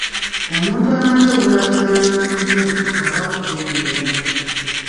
Omuntu amanyi obunafu n’amaanyi go aba akutegeera.